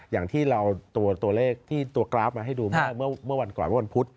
อย่างที่เราตัวเลขที่ตัวกราฟมาให้ดูเมื่อวันก่อนเมื่อวันพุธ